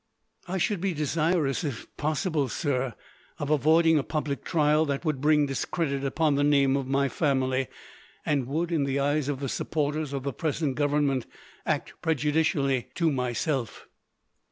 "I should be desirous, if possible, sir, of avoiding a public trial that would bring discredit upon the name of my family, and would, in the eyes of the supporters of the present Government, act prejudicially to myself."